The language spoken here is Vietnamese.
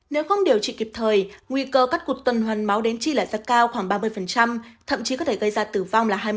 nếu không điều trị kịp thời nguy cơ cắt cụt tuần hoàn máu đến chi là rất cao khoảng ba mươi thậm chí có thể gây ra tử vong là hai mươi